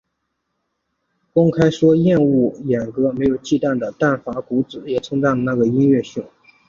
公开说厌恶演歌没有忌惮的淡谷法子也称赞了那个音乐性。